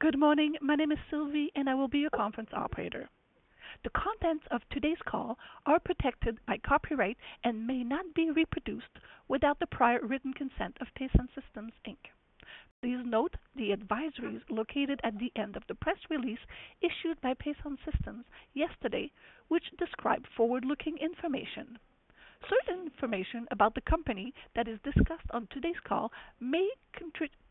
Good morning. My name is Sylvie, and I will be your conference operator. The contents of today's call are protected by copyright and may not be reproduced without the prior written consent of Pason Systems Inc. Please note the advisories located at the end of the press release issued by Pason Systems yesterday, which describe forward-looking information. Certain information about the company that is discussed on today's call may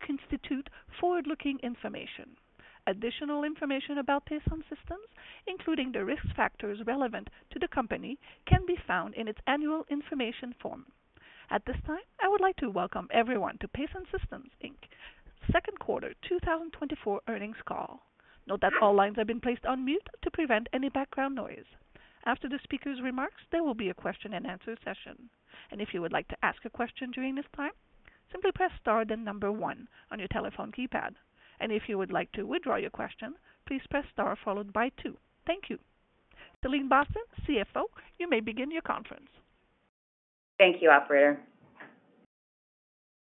constitute forward-looking information. Additional information about Pason Systems, including the risk factors relevant to the company, can be found in its annual information form. At this time, I would like to welcome everyone to Pason Systems Inc.'s second quarter 2024 earnings call. Note that all lines have been placed on mute to prevent any background noise. After the speaker's remarks, there will be a question-and-answer session. And if you would like to ask a question during this time, simply press star, then number one on your telephone keypad. And if you would like to withdraw your question, please press star followed by two. Thank you. Celine Boston, CFO, you may begin your conference. Thank you, operator.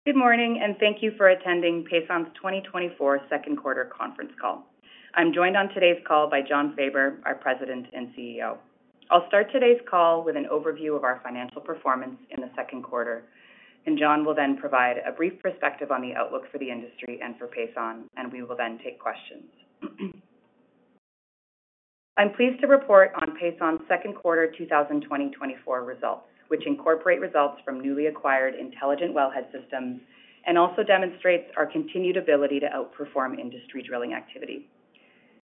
Good morning, and thank you for attending Pason's 2024 second quarter conference call. I'm joined on today's call by Jon Faber, our President and CEO. I'll start today's call with an overview of our financial performance in the second quarter, and Jon will then provide a brief perspective on the outlook for the industry and for Pason, and we will then take questions. I'm pleased to report on Pason's second quarter 2024 results, which incorporate results from newly acquired Intelligent Wellhead Systems and also demonstrates our continued ability to outperform industry drilling activity.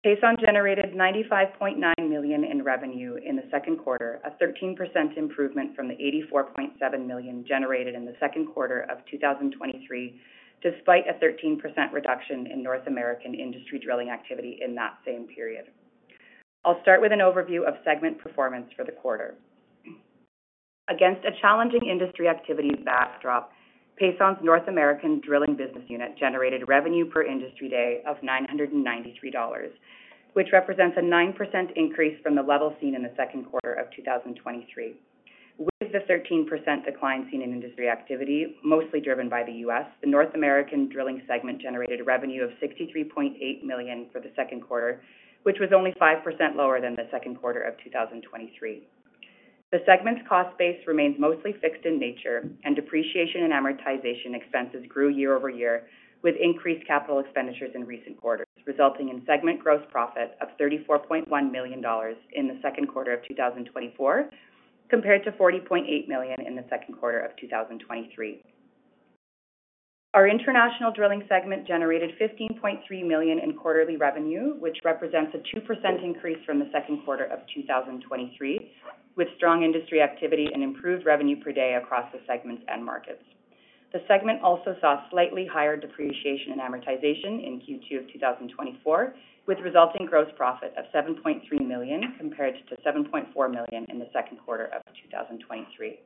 Pason generated 95.9 million in revenue in the second quarter, a 13% improvement from the 84.7 million generated in the second quarter of 2023, despite a 13% reduction in North American industry drilling activity in that same period. I'll start with an overview of segment performance for the quarter. Against a challenging industry activity backdrop, Pason's North American drilling business unit generated revenue per industry day of $993, which represents a 9% increase from the level seen in the second quarter of 2023. With the 13% decline seen in industry activity, mostly driven by the U.S., the North American drilling segment generated revenue of $63.8 million for the second quarter, which was only 5% lower than the second quarter of 2023. The segment's cost base remains mostly fixed in nature, and depreciation and amortization expenses grew year-over-year, with increased capital expenditures in recent quarters, resulting in segment gross profit of CAD $34.1 million in the second quarter of 2024, compared to 40.8 million in the second quarter of 2023. Our international drilling segment generated 15.3 million in quarterly revenue, which represents a 2% increase from the second quarter of 2023, with strong industry activity and improved revenue per day across the segments and markets. The segment also saw slightly higher depreciation and amortization in Q2 of 2024, with resulting gross profit of 7.3 million, compared to 7.4 million in the second quarter of 2023.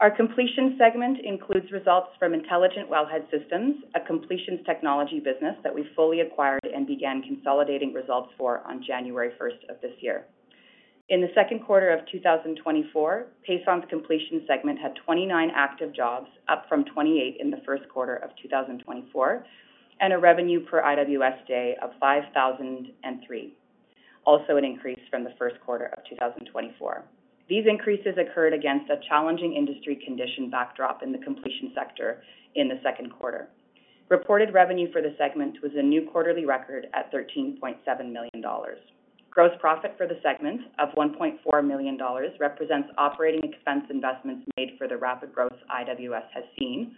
Our completion segment includes results from Intelligent Wellhead Systems, a completions technology business that we fully acquired and began consolidating results for on January 1 of this year. In the second quarter of 2024, Pason's completion segment had 29 active jobs, up from 28 in the first quarter of 2024, and a revenue per IWS day of 5,003, also an increase from the first quarter of 2024. These increases occurred against a challenging industry condition backdrop in the completion sector in the second quarter. Reported revenue for the segment was a new quarterly record at CAD $13.7 million. Gross profit for the segment of CAD $1.4 million represents operating expense investments made for the rapid growth IWS has seen,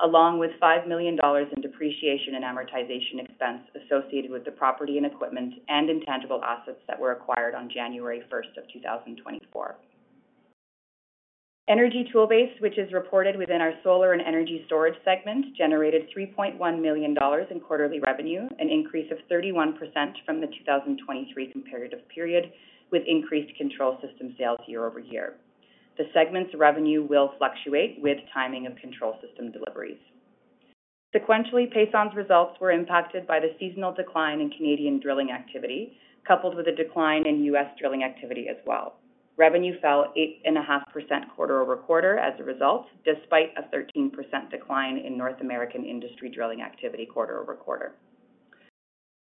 along with CAD $5 million in depreciation and amortization expense associated with the property and equipment and intangible assets that were acquired on January 1, 2024. Energy Toolbase, which is reported within our solar and energy storage segment, generated CAD $3.1 million in quarterly revenue, an increase of 31% from the 2023 comparative period, with increased control system sales year-over-year. The segment's revenue will fluctuate with timing of control system deliveries. Sequentially, Pason's results were impacted by the seasonal decline in Canadian drilling activity, coupled with a decline in U.S. drilling activity as well. Revenue fell 8.5% quarter over quarter as a result, despite a 13% decline in North American industry drilling activity quarter over quarter.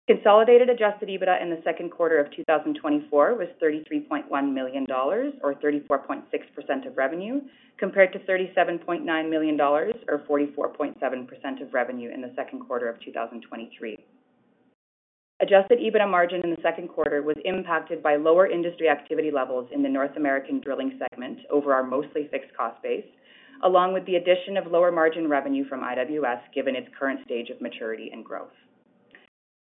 Consolidated adjusted EBITDA in the second quarter of 2024 was CAD $33.1 million, or 34.6% of revenue, compared to CAD $37.9 million or 44.7% of revenue in the second quarter of 2023. Adjusted EBITDA margin in the second quarter was impacted by lower industry activity levels in the North American drilling segment over our mostly fixed cost base, along with the addition of lower margin revenue from IWS, given its current stage of maturity and growth.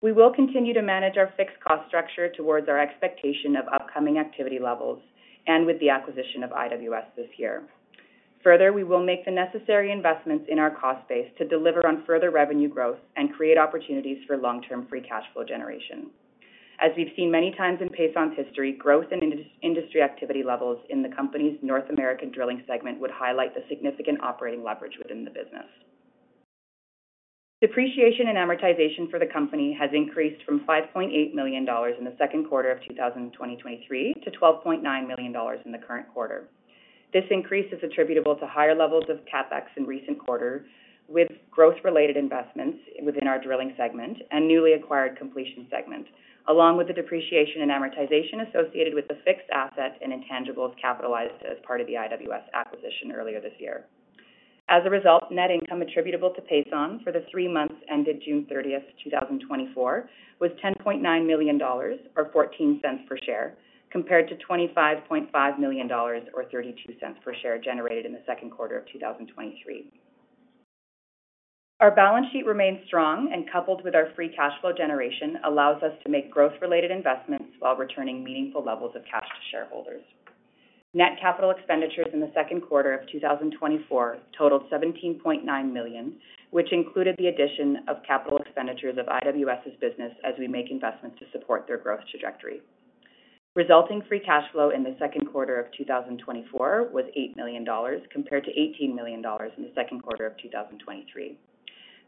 We will continue to manage our fixed cost structure towards our expectation of upcoming activity levels and with the acquisition of IWS this year. Further, we will make the necessary investments in our cost base to deliver on further revenue growth and create opportunities for long-term free cash flow generation. As we've seen many times in Pason's history, growth in industry activity levels in the company's North American drilling segment would highlight the significant operating leverage within the business. Depreciation and amortization for the company has increased from CAD $5.8 million in the second quarter of 2023 to CAD $12.9 million in the current quarter. This increase is attributable to higher levels of CapEx in recent quarters, with growth-related investments within our drilling segment and newly acquired completion segment, along with the depreciation and amortization associated with the fixed assets and intangibles capitalized as part of the IWS acquisition earlier this year. As a result, net income attributable to Pason for the three months ended June 30, 2024, was CAD $10.9 million, or 0.14 per share, compared to CAD $25.5 million, or 0.32 per share generated in the second quarter of 2023. Our balance sheet remains strong and, coupled with our free cash flow generation, allows us to make growth-related investments while returning meaningful levels of cash to shareholders. Net capital expenditures in the second quarter of 2024 totaled 17.9 million, which included the addition of capital expenditures of IWS's business as we make investments to support their growth trajectory. Resulting free cash flow in the second quarter of 2024 was CAD $8 million, compared to CAD $18 million in the second quarter of 2023.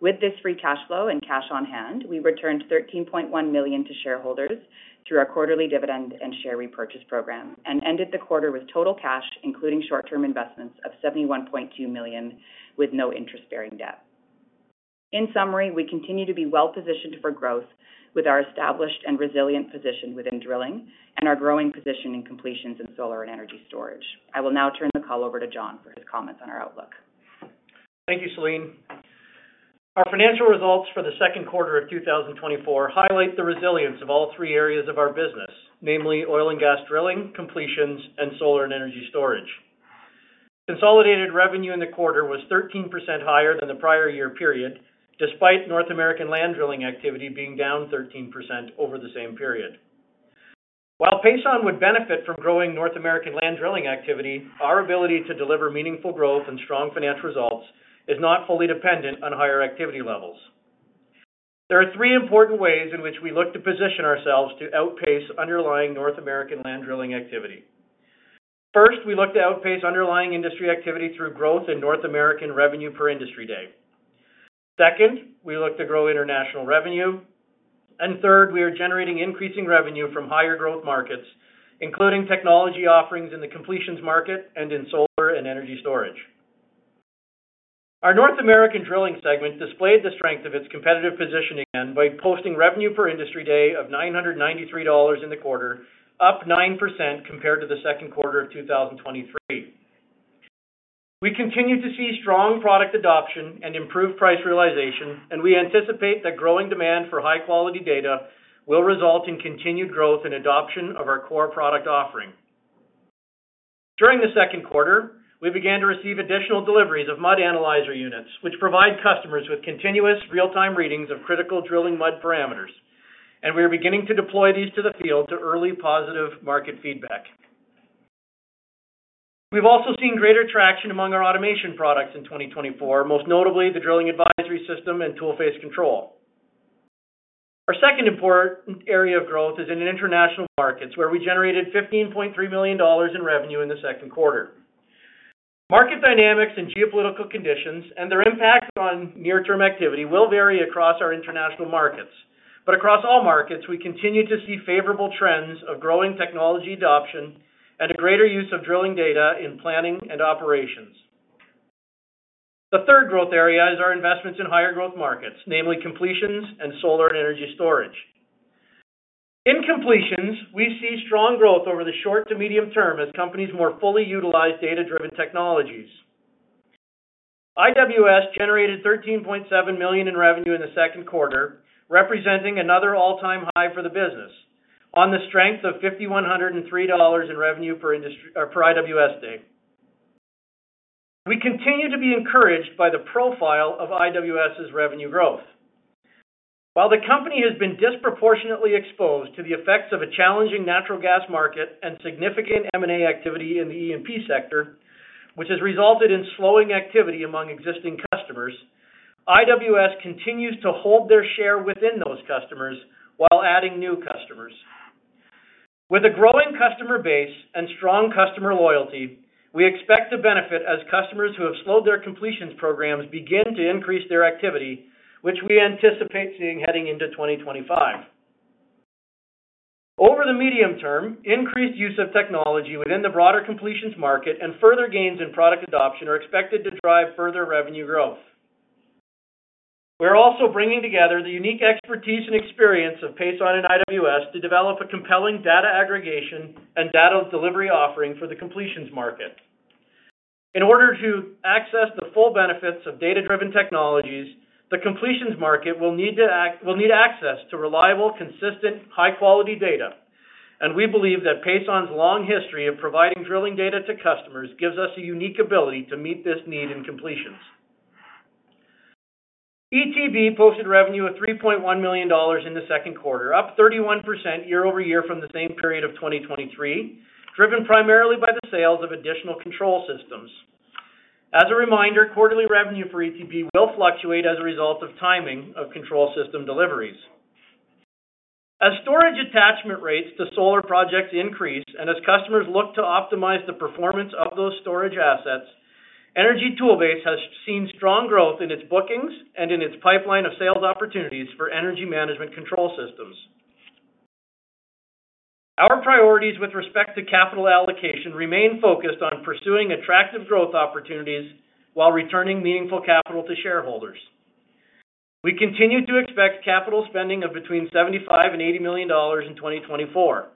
With this free cash flow and cash on hand, we returned 13.1 million to shareholders through our quarterly dividend and share repurchase program and ended the quarter with total cash, including short-term investments, of 71.2 million, with no interest-bearing debt. In summary, we continue to be well-positioned for growth with our established and resilient position within drilling and our growing position in completions in solar and energy storage. I will now turn the call over to Jon for his comments on our outlook. Thank you, Celine. Our financial results for the second quarter of 2024 highlight the resilience of all three areas of our business, namely oil and gas drilling, completions, and solar and energy storage. Consolidated revenue in the quarter was 13% higher than the prior year period, despite North American land drilling activity being down 13% over the same period. While Pason would benefit from growing North American land drilling activity, our ability to deliver meaningful growth and strong financial results is not fully dependent on higher activity levels. There are three important ways in which we look to position ourselves to outpace underlying North American land drilling activity. First, we look to outpace underlying industry activity through growth in North American revenue per industry day. Second, we look to grow international revenue. And third, we are generating increasing revenue from higher growth markets, including technology offerings in the completions market and in solar and energy storage. Our North American drilling segment displayed the strength of its competitive positioning by posting revenue per industry day of 993 dollars in the quarter, up 9% compared to the second quarter of 2023. We continue to see strong product adoption and improved price realization, and we anticipate that growing demand for high-quality data will result in continued growth and adoption of our core product offering. During the second quarter, we began to receive additional deliveries of Mud Analyzer units, which provide customers with continuous real-time readings of critical drilling mud parameters, and we are beginning to deploy these to the field to early positive market feedback. We've also seen greater traction among our automation products in 2024, most notably the Drilling Advisory System and Toolface Control. Our second important area of growth is in international markets, where we generated CAD $15.3 million in revenue in the second quarter. Market dynamics and geopolitical conditions and their impact on near-term activity will vary across our international markets. But across all markets, we continue to see favorable trends of growing technology adoption and a greater use of drilling data in planning and operations. The third growth area is our investments in higher growth markets, namely completions and solar and energy storage. In completions, we see strong growth over the short to medium term as companies more fully utilize data-driven technologies. IWS generated $13.7 million in revenue in the second quarter, representing another all-time high for the business on the strength of $5,103 in revenue per IWS day. We continue to be encouraged by the profile of IWS's revenue growth. While the company has been disproportionately exposed to the effects of a challenging natural gas market and significant M&A activity in the E&P sector, which has resulted in slowing activity among existing customers, IWS continues to hold their share within those customers while adding new customers. With a growing customer base and strong customer loyalty, we expect to benefit as customers who have slowed their completions programs begin to increase their activity, which we anticipate seeing heading into 2025. Over the medium term, increased use of technology within the broader completions market and further gains in product adoption are expected to drive further revenue growth. We're also bringing together the unique expertise and experience of Pason and IWS to develop a compelling data aggregation and data delivery offering for the completions market. In order to access the full benefits of data-driven technologies, the completions market will need access to reliable, consistent, high-quality data, and we believe that Pason's long history of providing drilling data to customers gives us a unique ability to meet this need in completions. ETB posted revenue of CAD $3.1 million in the second quarter, up 31% year-over-year from the same period of 2023, driven primarily by the sales of additional control systems. As a reminder, quarterly revenue for ETB will fluctuate as a result of timing of control system deliveries. As storage attachment rates to solar projects increase, and as customers look to optimize the performance of those storage assets, Energy Toolbase has seen strong growth in its bookings and in its pipeline of sales opportunities for energy management control systems. Our priorities with respect to capital allocation remain focused on pursuing attractive growth opportunities while returning meaningful capital to shareholders. We continue to expect capital spending of between CAD $75 million and CAD $80 million in 2024.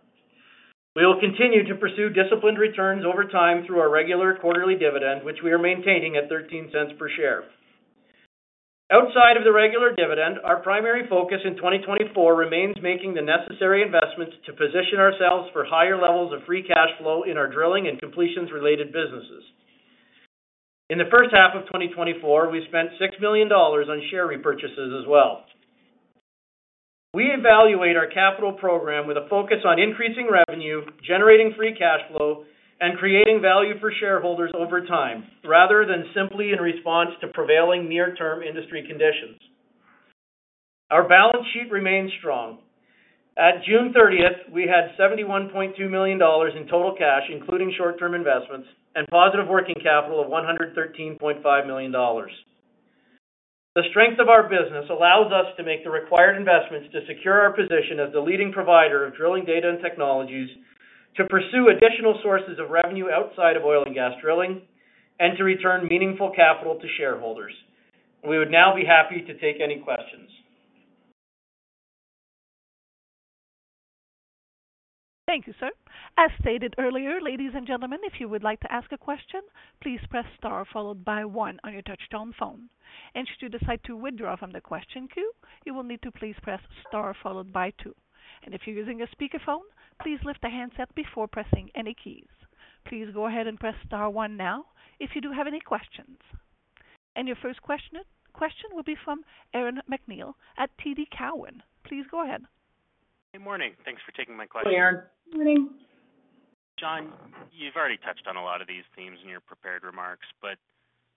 We will continue to pursue disciplined returns over time through our regular quarterly dividend, which we are maintaining at 0.13 per share. Outside of the regular dividend, our primary focus in 2024 remains making the necessary investments to position ourselves for higher levels of free cash flow in our drilling and completions related businesses. In the first half of 2024, we spent CAD $6 million on share repurchases as well. We evaluate our capital program with a focus on increasing revenue, generating free cash flow, and creating value for shareholders over time, rather than simply in response to prevailing near-term industry conditions. Our balance sheet remains strong. At June 30th, we had CAD $71.2 million in total cash, including short-term investments and positive working capital of CAD $113.5 million. The strength of our business allows us to make the required investments to secure our position as the leading provider of drilling data and technologies, to pursue additional sources of revenue outside of oil and gas drilling, and to return meaningful capital to shareholders. We would now be happy to take any questions. Thank you, sir. As stated earlier, ladies and gentlemen, if you would like to ask a question, please press star followed by one on your touchtone phone. And should you decide to withdraw from the question queue, you will need to please press star followed by two. And if you're using a speakerphone, please lift the handset before pressing any keys. Please go ahead and press star one now if you do have any questions. And your first question will be from Aaron MacNeil at TD Cowen. Please go ahead. Good morning. Thanks for taking my question. Hey, Aaron. Good morning. Jon, you've already touched on a lot of these themes in your prepared remarks, but,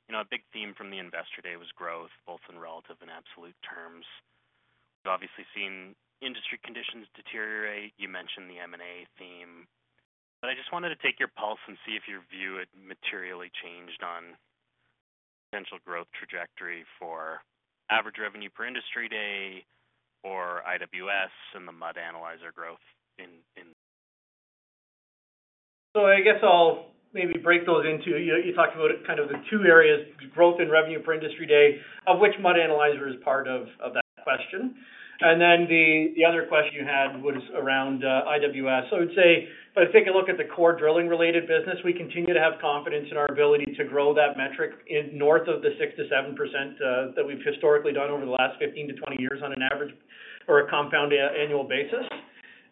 you know, a big theme from the Investor Day was growth, both in relative and absolute terms. We've obviously seen industry conditions deteriorate. You mentioned the M&A theme, but I just wanted to take your pulse and see if your view had materially changed on potential growth trajectory for average revenue per industry day or IWS and the Mud Analyzer growth in. So I guess I'll maybe break those into... You talked about kind of the two areas, growth in revenue per industry day, of which Mud Analyzer is part of, of that question. And then the other question you had was around, IWS. So I would say, if I take a look at the core drilling-related business, we continue to have confidence in our ability to grow that metric in north of the 6%-7%, that we've historically done over the last 15-20 years on an average or a compound annual basis.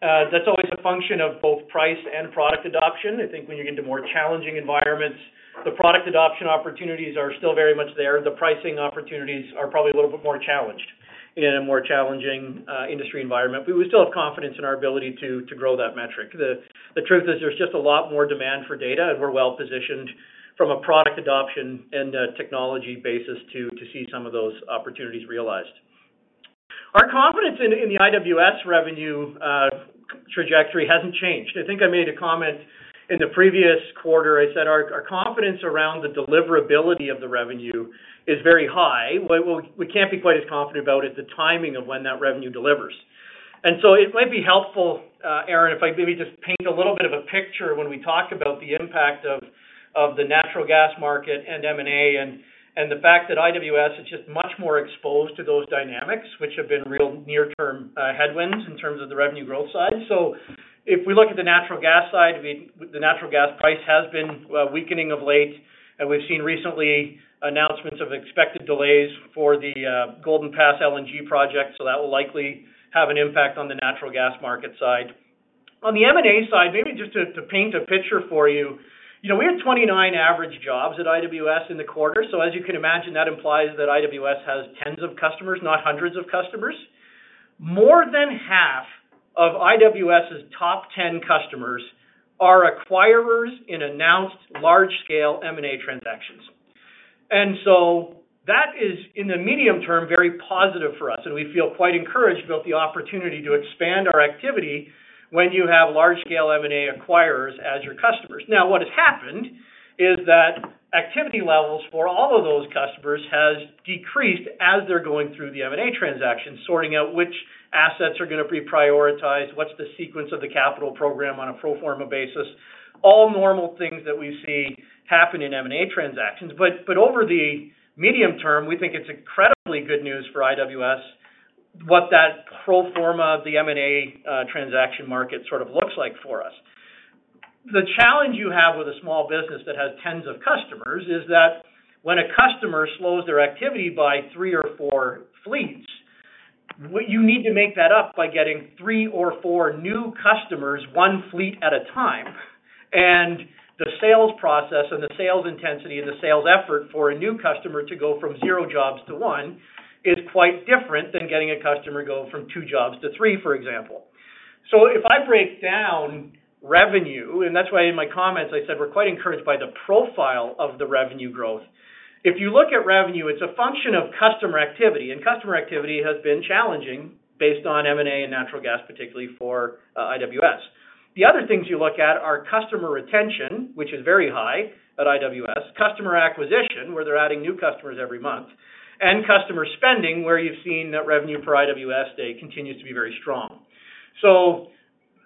That's always a function of both price and product adoption. I think when you get into more challenging environments, the product adoption opportunities are still very much there. The pricing opportunities are probably a little bit more challenged in a more challenging industry environment, but we still have confidence in our ability to grow that metric. The truth is, there's just a lot more demand for data, and we're well-positioned from a product adoption and a technology basis to see some of those opportunities realized. Our confidence in the IWS revenue trajectory hasn't changed. I think I made a comment in the previous quarter. I said, our confidence around the deliverability of the revenue is very high, but we can't be quite as confident about is the timing of when that revenue delivers. And so it might be helpful, Aaron, if I maybe just paint a little bit of a picture when we talk about the impact of the natural gas market and M&A and the fact that IWS is just much more exposed to those dynamics, which have been real near-term headwinds in terms of the revenue growth side. So if we look at the natural gas side, the natural gas price has been weakening of late, and we've seen recently announcements of expected delays for the Golden Pass LNG project, so that will likely have an impact on the natural gas market side. On the M&A side, maybe just to paint a picture for you, you know, we had 29 average jobs at IWS in the quarter. So as you can imagine, that implies that IWS has tens of customers, not hundreds of customers. More than half of IWS's top 10 customers are acquirers in announced large-scale M&A transactions. And so that is, in the medium term, very positive for us, and we feel quite encouraged about the opportunity to expand our activity when you have large-scale M&A acquirers as your customers. Now, what has happened is that activity levels for all of those customers has decreased as they're going through the M&A transaction, sorting out which assets are gonna be prioritized, what's the sequence of the capital program on a pro forma basis, all normal things that we see happen in M&A transactions. But over the medium term, we think it's incredibly good news for IWS, what that pro forma of the M&A transaction market sort of looks like for us. The challenge you have with a small business that has tens of customers is that when a customer slows their activity by three or four fleets, you need to make that up by getting three or four new customers, one fleet at a time. And the sales process and the sales intensity and the sales effort for a new customer to go from zero jobs to one is quite different than getting a customer go from two jobs to three, for example. So if I break down revenue, and that's why in my comments, I said we're quite encouraged by the profile of the revenue growth. If you look at revenue, it's a function of customer activity, and customer activity has been challenging based on M&A and natural gas, particularly for IWS. The other things you look at are customer retention, which is very high at IWS, customer acquisition, where they're adding new customers every month, and customer spending, where you've seen that revenue per IWS day continues to be very strong. So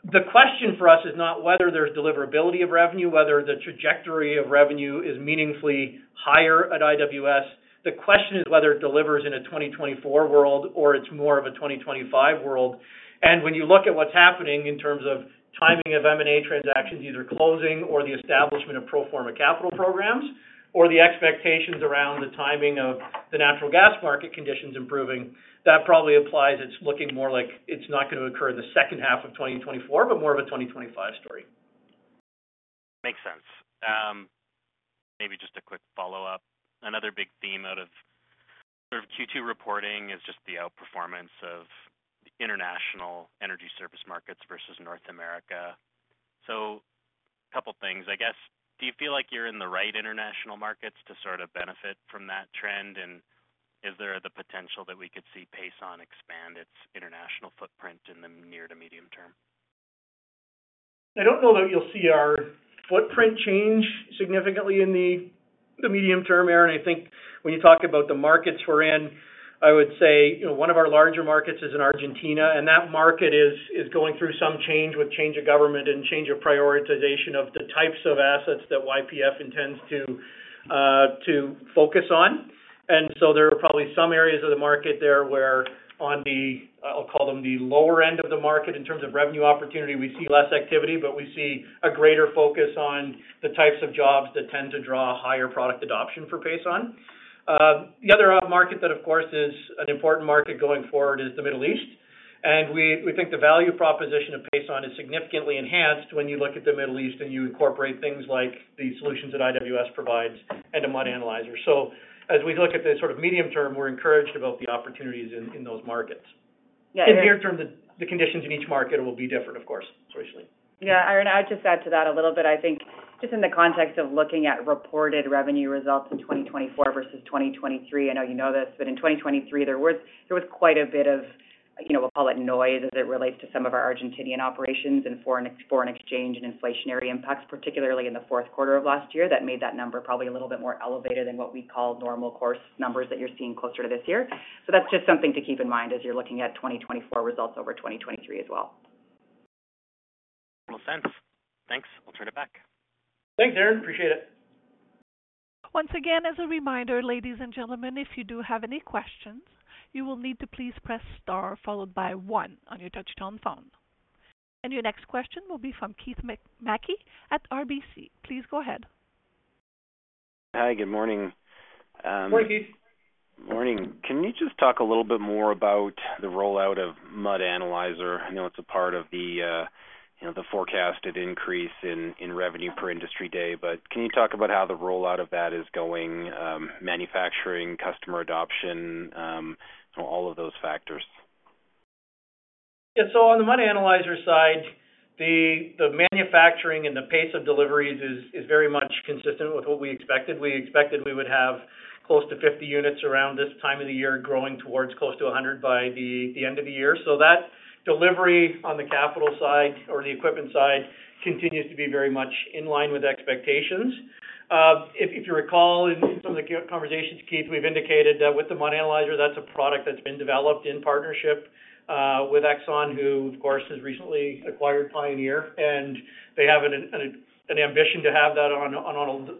the question for us is not whether there's deliverability of revenue, whether the trajectory of revenue is meaningfully higher at IWS. The question is whether it delivers in a 2024 world or it's more of a 2025 world. And when you look at what's happening in terms of timing of M&A transactions, either closing or the establishment of pro forma capital programs, or the expectations around the timing of the natural gas market conditions improving, that probably implies it's looking more like it's not going to occur in the second half of 2024, but more of a 2025 story. Makes sense. Maybe just a quick follow-up. Another big theme out of sort of Q2 reporting is just the outperformance of international energy service markets versus North America. So a couple of things: I guess, do you feel like you're in the right international markets to sort of benefit from that trend? And is there the potential that we could see Pason expand its international footprint in the near to medium term? I don't know that you'll see our footprint change significantly in the medium term, Aaron. I think when you talk about the markets we're in, I would say, you know, one of our larger markets is in Argentina, and that market is going through some change with change of government and change of prioritization of the types of assets that YPF intends to focus on. And so there are probably some areas of the market there where on the, I'll call them, the lower end of the market in terms of revenue opportunity, we see less activity, but we see a greater focus on the types of jobs that tend to draw higher product adoption for Pason. The other market that, of course, is an important market going forward is the Middle East, and we think the value proposition of Pason is significantly enhanced when you look at the Middle East and you incorporate things like the solutions that IWS provides and the mud analyzer. So as we look at the sort of medium term, we're encouraged about the opportunities in those markets. Yeah- In near term, the conditions in each market will be different, of course, socially. Yeah, Aaron, I'd just add to that a little bit. I think just in the context of looking at reported revenue results in 2024 versus 2023, I know you know this, but in 2023, there was quite a bit of, you know, we'll call it noise, as it relates to some of our Argentinian operations and foreign exchange and inflationary impacts, particularly in the fourth quarter of last year, that made that number probably a little bit more elevated than what we call normal course numbers that you're seeing closer to this year. So that's just something to keep in mind as you're looking at 2024 results over 2023 as well. Makes sense. Thanks. I'll turn it back. Thanks, Aaron. Appreciate it. Once again, as a reminder, ladies and gentlemen, if you do have any questions, you will need to please press Star, followed by one on your touchtone phone. And your next question will be from Keith Mackey at RBC. Please go ahead. Hi, good morning. Morning, Keith. Morning. Can you just talk a little bit more about the rollout of Mud Analyzer? I know it's a part of the, you know, the forecasted increase in revenue for Industry Day, but can you talk about how the rollout of that is going, manufacturing, customer adoption, all of those factors? Yeah. So on the Mud Analyzer side, the manufacturing and the pace of deliveries is very much consistent with what we expected. We expected we would have close to 50 units around this time of the year, growing towards close to 100 by the end of the year. So that delivery on the capital side or the equipment side continues to be very much in line with expectations. If you recall in some of the conversations, Keith, we've indicated that with the Mud Analyzer, that's a product that's been developed in partnership with Exxon, who, of course, has recently acquired Pioneer, and they have an ambition to have that on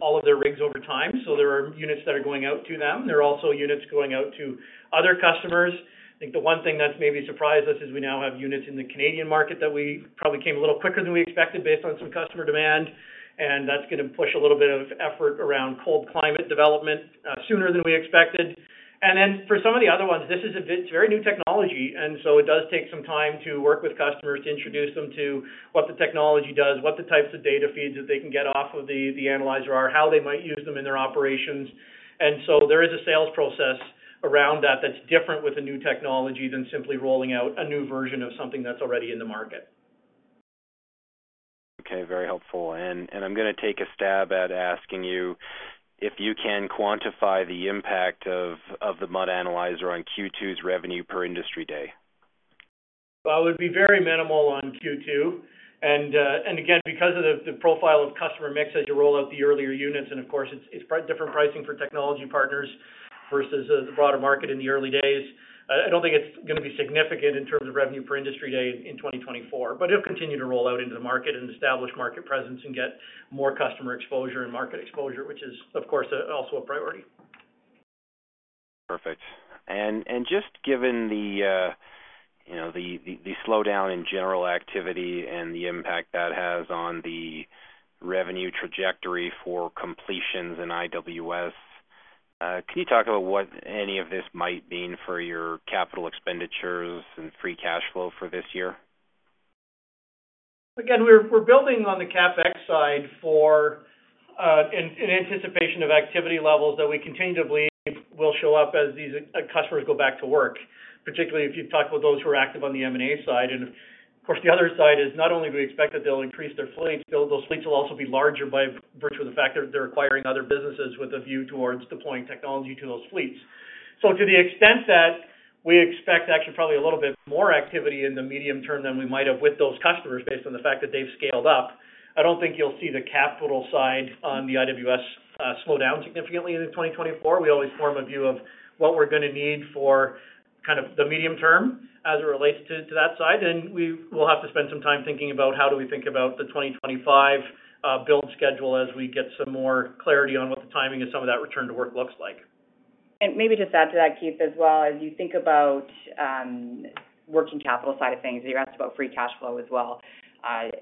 all of their rigs over time. So there are units that are going out to them. There are also units going out to other customers. I think the one thing that's maybe surprised us is we now have units in the Canadian market that we probably came a little quicker than we expected based on some customer demand, and that's gonna push a little bit of effort around cold climate development sooner than we expected. And then for some of the other ones, this is a very new technology, and so it does take some time to work with customers to introduce them to what the technology does, what the types of data feeds that they can get off of the, the analyzer are, how they might use them in their operations. And so there is a sales process around that that's different with a new technology than simply rolling out a new version of something that's already in the market. Okay, very helpful. And I'm gonna take a stab at asking you if you can quantify the impact of the Mud Analyzer on Q2's revenue per Industry Day? Well, it would be very minimal on Q2. And again, because of the profile of customer mix as you roll out the earlier units, and of course, it's different pricing for technology partners versus the broader market in the early days. I don't think it's gonna be significant in terms of revenue for Industry Day in 2024, but it'll continue to roll out into the market and establish market presence and get more customer exposure and market exposure, which is, of course, also a priority. Perfect. And just given the, you know, slowdown in general activity and the impact that has on the revenue trajectory for completions in IWS, can you talk about what any of this might mean for your capital expenditures and free cash flow for this year? Again, we're building on the CapEx side for in anticipation of activity levels that we continue to believe will show up as these customers go back to work, particularly if you've talked with those who are active on the M&A side. And of course, the other side is not only do we expect that they'll increase their fleets, those fleets will also be larger by virtue of the fact that they're acquiring other businesses with a view towards deploying technology to those fleets. So to the extent that we expect actually probably a little bit more activity in the medium term than we might have with those customers based on the fact that they've scaled up, I don't think you'll see the capital side on the IWS slow down significantly in 2024. We always form a view of what we're gonna need for kind of the medium term as it relates to that side, and we will have to spend some time thinking about how do we think about the 2025 build schedule as we get some more clarity on what the timing of some of that return to work looks like. Maybe just add to that, Keith, as well. As you think about working capital side of things, you asked about free cash flow as well. Less,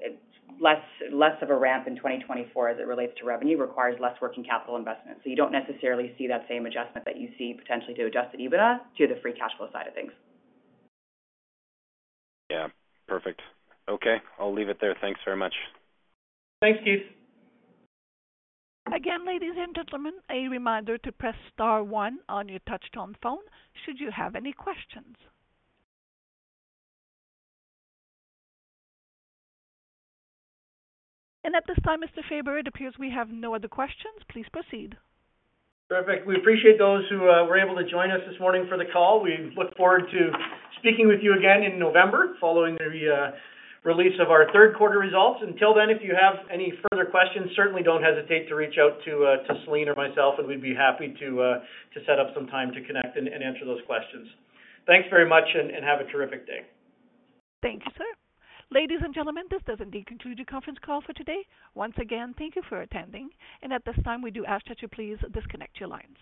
less of a ramp in 2024 as it relates to revenue, requires less working capital investment. So you don't necessarily see that same adjustment that you see potentially to Adjusted EBITDA to the free cash flow side of things. Yeah, perfect. Okay, I'll leave it there. Thanks very much. Thanks, Keith. Again, ladies and gentlemen, a reminder to press star one on your touchtone phone should you have any questions. And at this time, Mr. Faber, it appears we have no other questions. Please proceed. Perfect. We appreciate those who were able to join us this morning for the call. We look forward to speaking with you again in November, following the release of our third quarter results. Until then, if you have any further questions, certainly don't hesitate to reach out to Celine or myself, and we'd be happy to set up some time to connect and answer those questions. Thanks very much, and have a terrific day. Thank you, sir. Ladies and gentlemen, this does indeed conclude the conference call for today. Once again, thank you for attending, and at this time, we do ask that you please disconnect your lines.